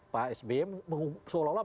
pak sby seolah olah